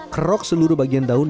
krok seluruh bagian daunnya